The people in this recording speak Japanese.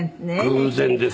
偶然ですよ。